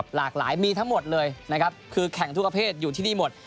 หลากหลายมีทั้งหมดเลยนะครับคือแข่งทุกประเภทอยู่ที่นี่หมด